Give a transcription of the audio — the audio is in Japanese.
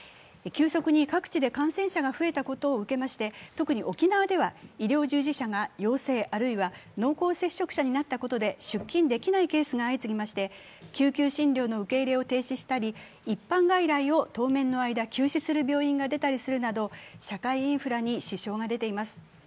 急速に各地で感染者が増えたことを受けまして特に沖縄では医療従事者が陽性あるいは濃厚接触者になったことで出勤できないケースが相次ぎまして救急診療の受け入れを停止したり一般外来を当面の間、休止する病院が出たりするなど社会インフラに支障が出ています。